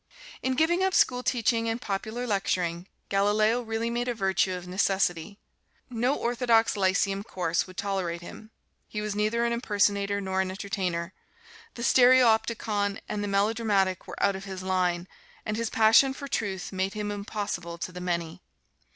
In giving up schoolteaching and popular lecturing, Galileo really made a virtue of necessity. No orthodox lyceum course would tolerate him; he was neither an impersonator nor an entertainer; the stereopticon and the melodramatic were out of his line, and his passion for truth made him impossible to the many.